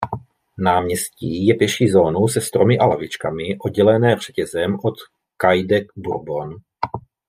Náměstí je pěší zónou se stromy a lavičkami oddělené řetězem od "Quai de Bourbon".